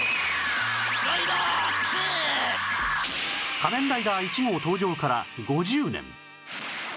仮面ライダー１号登場から５０年！